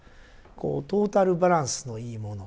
こうトータルバランスのいいもの。